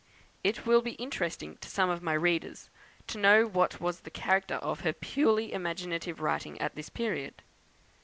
It will be interesting to some of my readers to know what was the character of her purely imaginative writing at this period.